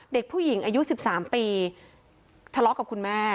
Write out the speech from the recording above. เด็กผู้หญิงอายุ๑๓ปีทะเลาะกับคุณแม่